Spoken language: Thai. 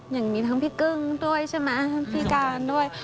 อย่างมีทั้งพี่กึ้งด้วยใช่ไหมพี่การด้วย